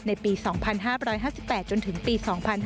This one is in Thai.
ในปี๒๕๕๘จนถึงปี๒๕๕๙